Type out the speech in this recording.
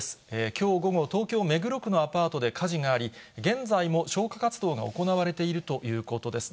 きょう午後、東京・目黒区のアパートで火事があり、現在も消火活動が行われているということです。